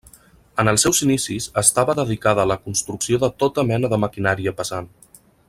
En els seus inicis estava dedicada a la construcció de tota mena de maquinària pesant.